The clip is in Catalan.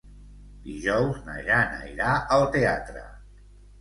Dijous na Jana irà al teatre.